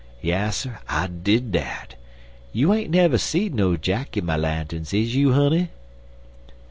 Yasser. I did dat. You ain't never seed no Jacky my lanterns, is you, honey?"